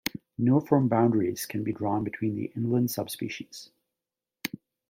No firm boundaries can be drawn between the inland subspecies.